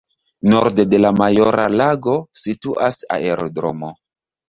Norde de la Majora Lago situas aerodromo.